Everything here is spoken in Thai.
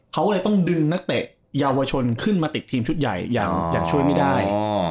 เขาเลยต้องดึงนักเตะเยาวชนขึ้นมาติดทีมชุดใหญ่อย่างช่วยไม่ได้